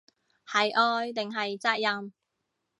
係愛定係責任